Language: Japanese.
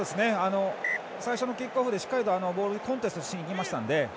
最初のキックオフでしっかりボールにコンテストしに行きましたので。